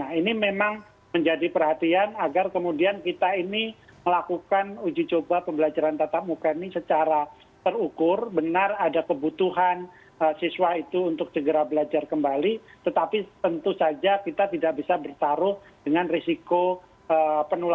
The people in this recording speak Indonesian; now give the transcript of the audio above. nah ini memang menjadi perhatian agar kemudian kita ini melakukan ujicoba pembelajaran tatap muka ini secara terukur benar ada kebutuhan siswa itu untuk segera belajar kembali tetapi tentu saja kita tidak bisa berparu dengan resiko penularan kepada anak anak kita yang menjadi penerus ini